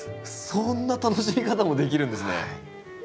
そんな楽しみ方もできるんですね。